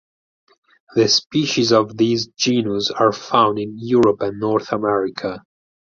The species of this genus are found in Europe and North America.